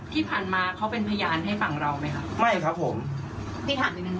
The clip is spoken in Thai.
ที่ผ่านมาเขาเป็นพยานให้ฝั่งเราไหมคะไม่ครับผมพี่ถามนิดนึง